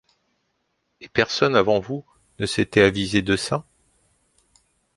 Et personne avant vous ne s'était avisé de ça ?